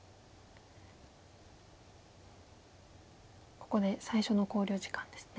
ここで最初の考慮時間ですね。